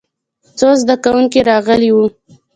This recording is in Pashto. څو زده کوونکي راغلي وو.